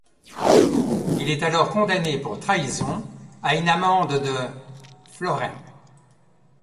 Il est alors condamné pour trahison à une amende de florins.